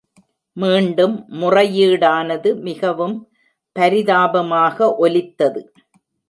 மீண்டும் முறையீடானது மிகவும் பரிதாபமாக ஒலித்தது.